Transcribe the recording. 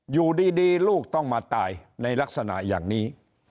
อยู่ดีลูกต้องมาตายในลักษณะอย่างนี้